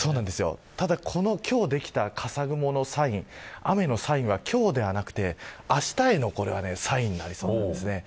今日できた、かさ雲のサインは雨のサインは今日ではなくてあしたへのサインになりそうです。